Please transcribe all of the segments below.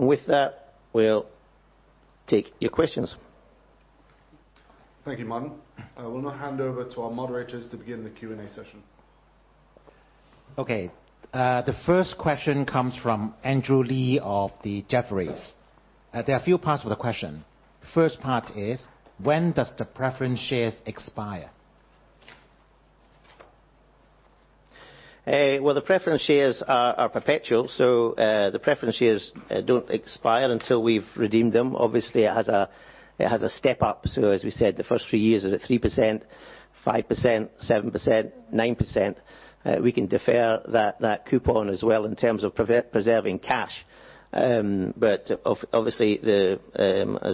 With that, we'll take your questions. Thank you, Martin. I will now hand over to our moderators to begin the Q&A session. Okay. The first question comes from Andrew Lee of Jefferies. There are a few parts for the question. First part is: When does the preference shares expire? The preference shares are perpetual. The preference shares don't expire until we've redeemed them. Obviously, it has a step-up. As we said, the first three years is at 3%, 5%, 7%, 9%. We can defer that coupon as well in terms of preserving cash. Obviously, as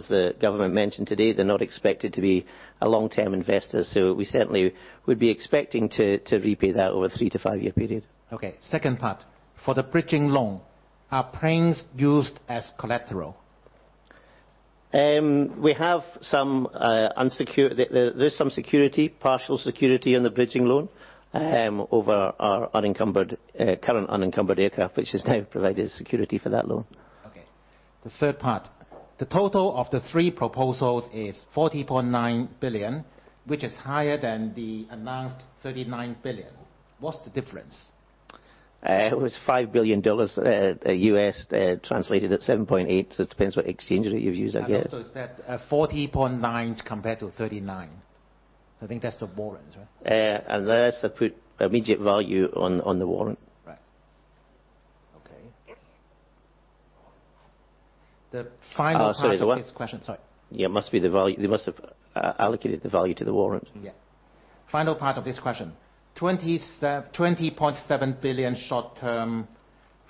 the government mentioned today, they're not expected to be a long-term investor. We certainly would be expecting to repay that over a three to five-year period. Okay. Second part. For the bridging loan, are planes used as collateral? There's some security, partial security on the bridging loan, over our current unencumbered aircraft, which has now provided security for that loan. Okay. The third part. The total of the three proposals is 40.9 billion, which is higher than the announced 39 billion. What's the difference? It was $5 billion US, translated at 7.8. It depends what exchange rate you've used, I guess. Also, is that 40.9 compared to 39? I think that's the warrants, right? That's to put immediate value on the warrant. Right. Okay. Oh, sorry, the what? of this question. Sorry. Yeah, they must have allocated the value to the warrant. Yeah. Final part of this question. 20.7 billion short-term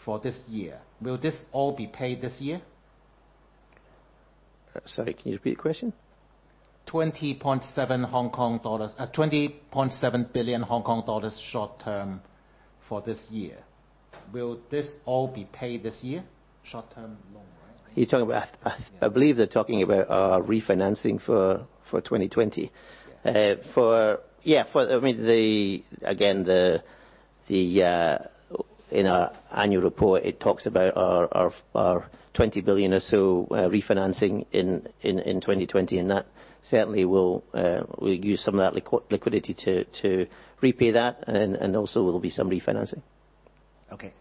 for this year. Will this all be paid this year? Sorry, can you repeat the question? 20.7 HKD 20.7 billion short-term for this year. Will this all be paid this year? Short-term loan, right? Are you talking about I believe they're talking about our refinancing for 2020? Yeah. Yeah. Again, in our annual report, it talks about our 20 billion or so refinancing in 2020, and that certainly we'll use some of that liquidity to repay that, and also will be some refinancing. Okay.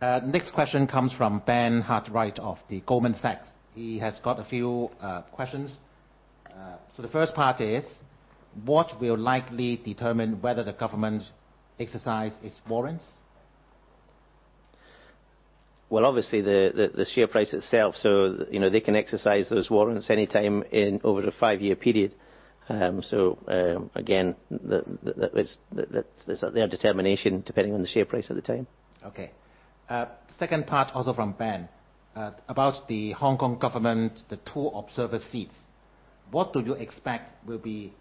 Next question comes from Ben Hartwright of Goldman Sachs. He has got a few questions. The first part is: What will likely determine whether the government exercise its warrants? Well, obviously, the share price itself. They can exercise those warrants any time over the five-year period. Again, that's their determination depending on the share price at the time. Second part, also from Ben. About the Hong Kong Government, the two observer seats. What do you expect will be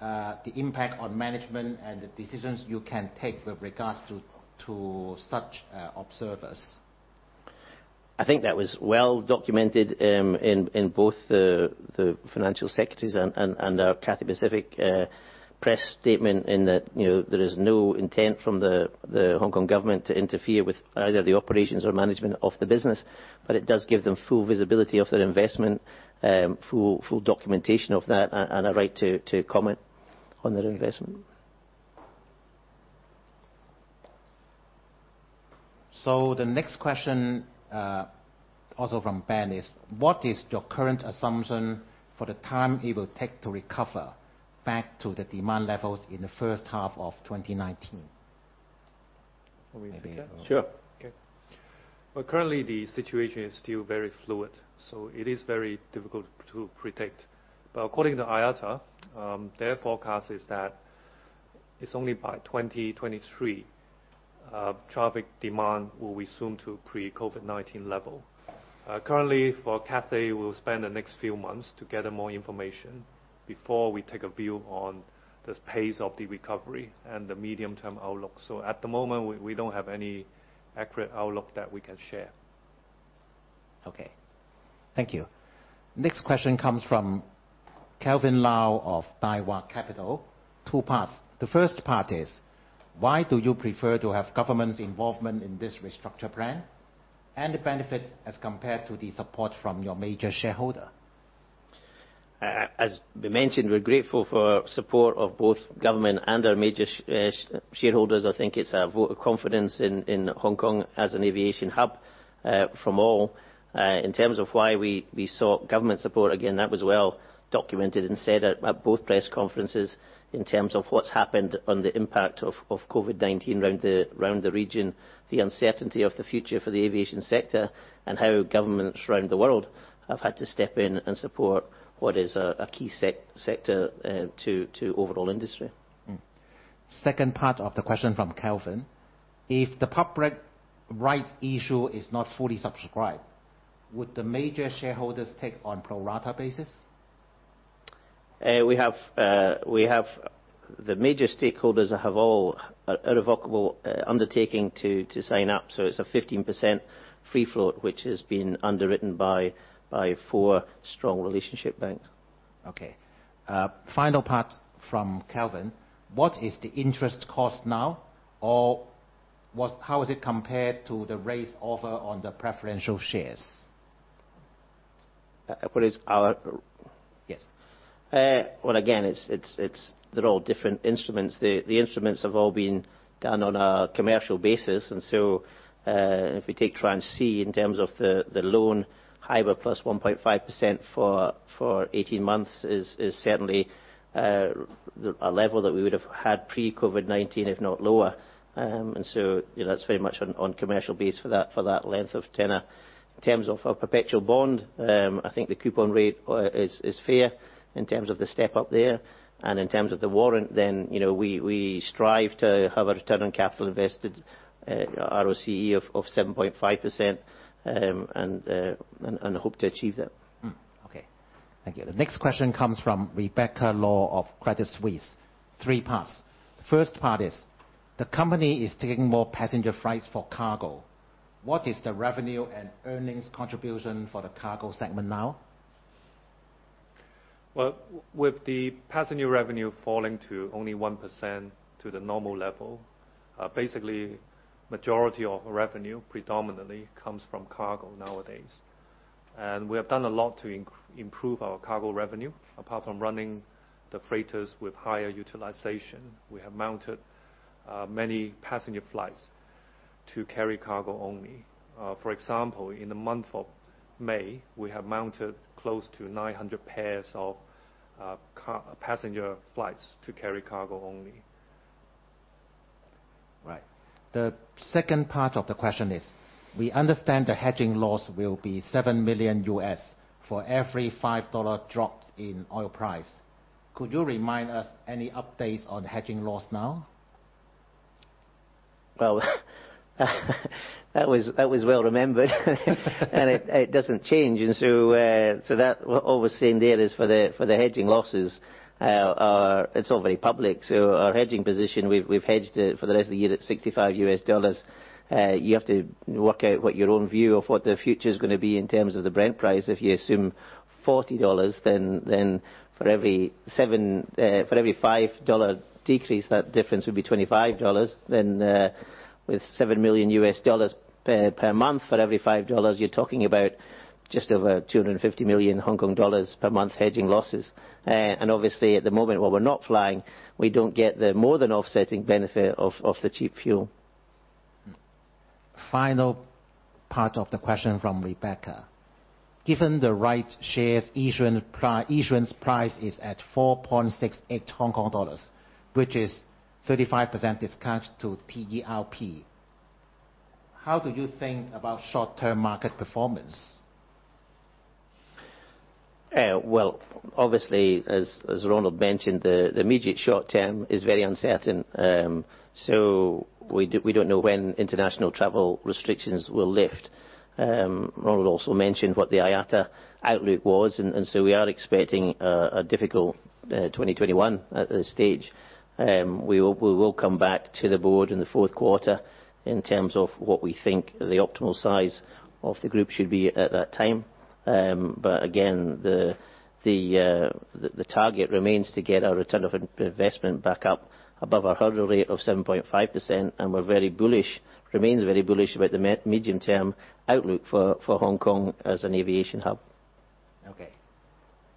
the impact on management and the decisions you can take with regards to such observers? I think that was well documented in both the Financial Secretary's and our Cathay Pacific press statement in that there is no intent from the Hong Kong government to interfere with either the operations or management of the business. It does give them full visibility of their investment, full documentation of that, and a right to comment on their investment. The next question, also from Ben, is: What is your current assumption for the time it will take to recover back to the demand levels in the first half of 2019? Want me to take that? Sure. Okay. Well, currently, the situation is still very fluid, it is very difficult to predict. According to IATA, their forecast is that it's only by 2023 traffic demand will resume to pre-COVID-19 level. Currently, for Cathay, we'll spend the next few months to gather more information before we take a view on this pace of the recovery and the medium-term outlook. At the moment, we don't have any accurate outlook that we can share. Okay. Thank you. Next question comes from Kelvin Lau of Daiwa Capital. Two parts. The first part is: Why do you prefer to have government's involvement in this restructure plan? The benefits as compared to the support from your major shareholder? As we mentioned, we're grateful for support of both government and our major shareholders. I think it's a vote of confidence in Hong Kong as an aviation hub, from all. In terms of why we sought government support, again, that was well documented and said at both press conferences in terms of what's happened on the impact of COVID-19 around the region, the uncertainty of the future for the aviation sector, and how governments around the world have had to step in and support what is a key sector to overall industry. Second part of the question from Kelvin: If the public rights issue is not fully subscribed, would the major shareholders take on pro rata basis? The major stakeholders have all irrevocable undertaking to sign up. It's a 15% free float, which has been underwritten by four strong relationship banks. Okay. Final part from Kelvin: what is the interest cost now, or how is it compared to the raised offer on the preferential shares? What is our Yes. Well, again, they're all different instruments. The instruments have all been done on a commercial basis. If we take Tranche C in terms of the loan, LIBOR plus 1.5% for 18 months is certainly a level that we would've had pre-COVID-19, if not lower. That's very much on commercial base for that length of tenor. In terms of a perpetual bond, I think the coupon rate is fair in terms of the step up there. In terms of the warrant then, we strive to have a return on capital invested, ROCE, of 7.5% and hope to achieve that. Okay. Thank you. The next question comes from Rebecca Law of Credit Suisse. Three parts. The first part is, the company is taking more passenger flights for cargo. What is the revenue and earnings contribution for the cargo segment now? Well, with the passenger revenue falling to only 1% to the normal level, basically majority of revenue predominantly comes from cargo nowadays. We have done a lot to improve our cargo revenue. Apart from running the freighters with higher utilization, we have mounted many passenger flights to carry cargo only. For example, in the month of May, we have mounted close to 900 pairs of passenger flights to carry cargo only. Right. The second part of the question is: we understand the hedging loss will be $7 million for every $5 dropped in oil price. Could you remind us any updates on hedging loss now? Well, that was well remembered. It doesn't change. All we're saying there is for the hedging losses, it's all very public, so our hedging position, we've hedged it for the rest of the year at $65. You have to work out what your own view of what the future's going to be in terms of the Brent price. If you assume $40, for every $5 decrease, that difference would be $25. With $7 million per month for every $5, you're talking about just over 250 million Hong Kong dollars per month hedging losses. Obviously at the moment, while we're not flying, we don't get the more than offsetting benefit of the cheap fuel. Final part of the question from Rebecca. Given the rights shares issuance price is at 4.68 Hong Kong dollars, which is 35% discount to TERP, how do you think about short-term market performance? Obviously, as Ronald mentioned, the immediate short term is very uncertain. We don't know when international travel restrictions will lift. Ronald also mentioned what the IATA outlook was, we are expecting a difficult 2021 at this stage. We will come back to the board in the fourth quarter in terms of what we think the optimal size of the group should be at that time. Again, the target remains to get our return on investment back up above our hurdle rate of 7.5%, we remain very bullish about the medium-term outlook for Hong Kong as an aviation hub. Okay.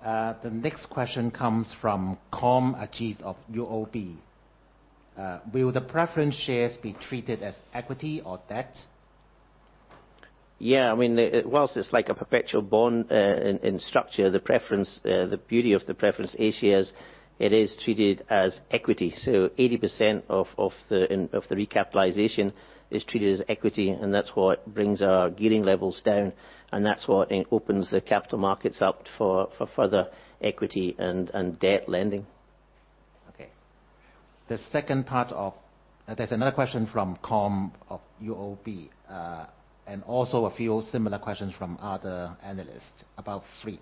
The next question comes from K. Ajith of UOB. Will the preference shares be treated as equity or debt? While it's like a perpetual bond in structure, the beauty of the preference A shares, it is treated as equity. 80% of the recapitalization is treated as equity, and that's what brings our gearing levels down, and that's what opens the capital markets up for further equity and debt lending. Okay. There's another question from Kom of UOB, and also a few similar questions from other analysts about fleet.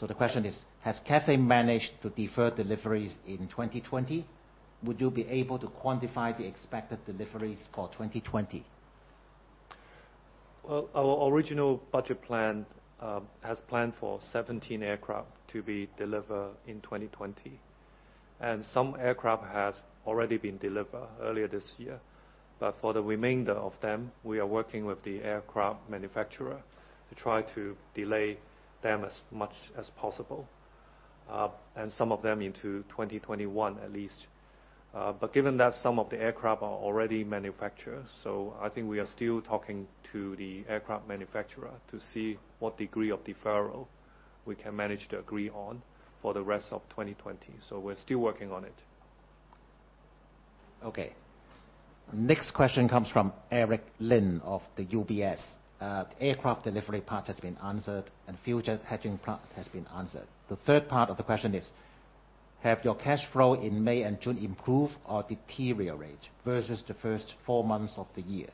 The question is: has Cathay managed to defer deliveries in 2020? Would you be able to quantify the expected deliveries for 2020? Well, our original budget plan, has planned for 17 aircraft to be delivered in 2020. Some aircraft had already been delivered earlier this year. For the remainder of them, we are working with the aircraft manufacturer to try to delay them as much as possible, and some of them into 2021 at least. Given that some of the aircraft are already manufactured, so I think we are still talking to the aircraft manufacturer to see what degree of deferral we can manage to agree on for the rest of 2020. We're still working on it. Okay. Next question comes from Eric Lin of the UBS. Aircraft delivery part has been answered, and future hedging part has been answered. The third part of the question is: have your cash flow in May and June improved or deteriorated versus the first four months of the year?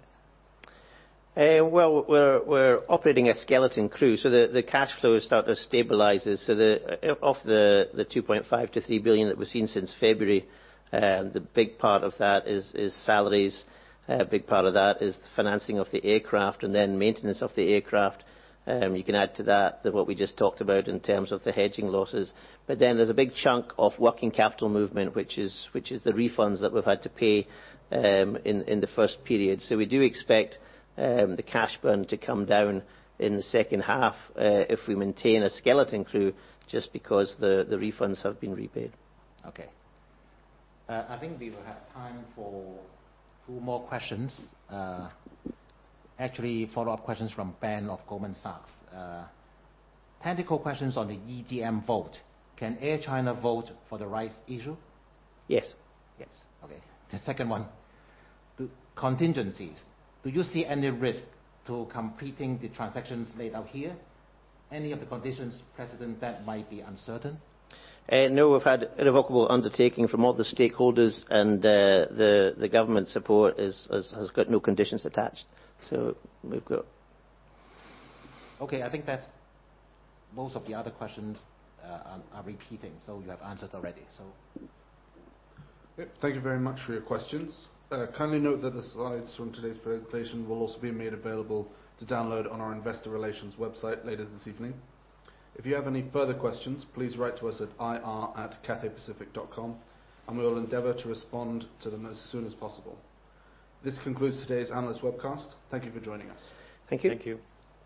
We're operating a skeleton crew, the cash flow has started to stabilize. Of the 2.5 billion to 3 billion that we've seen since February, the big part of that is salaries, a big part of that is the financing of the aircraft and then maintenance of the aircraft. You can add to that what we just talked about in terms of the hedging losses. There's a big chunk of working capital movement, which is the refunds that we've had to pay in the first period. We do expect the cash burn to come down in the second half, if we maintain a skeleton crew just because the refunds have been repaid. Okay. I think we will have time for two more questions. Actually, follow-up questions from Ben of Goldman Sachs. Technical questions on the EGM vote. Can Air China vote for the rights issue? Yes. Yes. Okay. The second one, contingencies. Do you see any risk to completing the transactions laid out here? Any of the conditions precedent that might be uncertain? No, we've had irrevocable undertaking from all the stakeholders, the government support has got no conditions attached. We've got Okay. I think most of the other questions are repeating, so you have answered already. Yep. Thank you very much for your questions. Kindly note that the slides from today's presentation will also be made available to download on our investor relations website later this evening. If you have any further questions, please write to us at ir@cathaypacific.com and we will endeavor to respond to them as soon as possible. This concludes today's analyst webcast. Thank you for joining us. Thank you. Thank you.